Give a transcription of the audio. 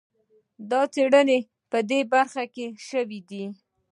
دا څېړنې په دې برخه کې شوي دي.